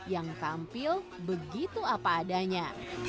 yang tampil begitu apa adanya